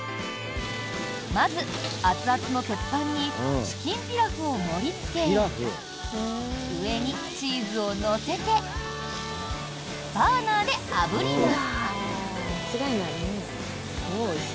まず、熱々の鉄板にチキンピラフを盛りつけ上にチーズを乗せてバーナーであぶります。